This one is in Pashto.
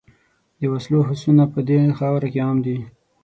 د وسلو هوسونه په دې خاوره کې عام دي.